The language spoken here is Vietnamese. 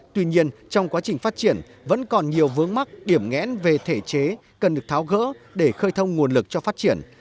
tuy nhiên trong quá trình phát triển vẫn còn nhiều vướng mắt điểm nghẽn về thể chế cần được tháo gỡ để khơi thông nguồn lực cho phát triển